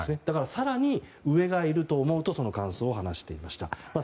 更に上がいると思うとその感想を話していました。